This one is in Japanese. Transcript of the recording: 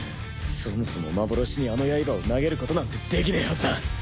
そもそも幻にあの刃を投げることなんてできねえはずだ。